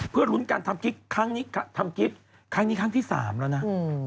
เพื่อรุ้นการทำกิฟต์ครั้งนี้ครั้งที่๓แล้วนะ